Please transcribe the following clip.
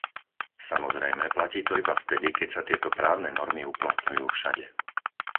Samozrejme, platí to iba vtedy, keď sa tieto právne normy uplatňujú všade.